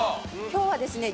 今日はですね